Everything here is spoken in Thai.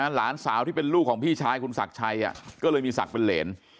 หลานสาวที่เป็นลูกของพี่ชายคุณศักดิ์ชัยก็เลยมีศักดิ์เป็นเหรน